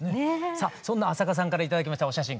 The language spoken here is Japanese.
さあそんな朝夏さんから頂きましたお写真